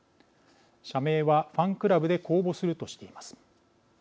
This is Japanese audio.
社名はファンクラブで公募するとしています。